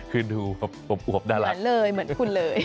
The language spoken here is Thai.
คือดูอวบน่ารักเหมือนเลยเหมือนคุณเลย